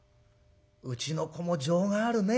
うちの子も情があるね。